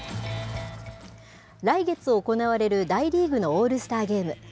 来月行われる大リーグのオールスターゲーム。